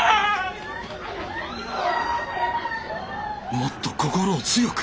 もっと心を強く！